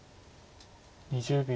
２０秒。